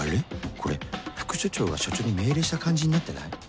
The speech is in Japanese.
これ副署長が署長に命令した感じになってない？